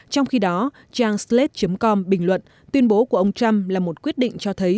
trong khi đó trang sled com bình luận tuyên bố của ông trump là một quyết định cho thấy